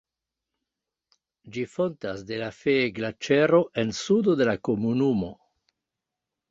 Ĝi fontas de la Fee-Glaĉero en sudo de la komunumo.